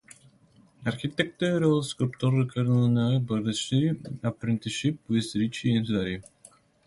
Architectural sculptor Corrado Parducci apprenticed with Ricci and Zari.